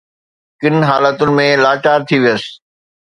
ڪن حالتن ۾ مان لاچار ٿي ويس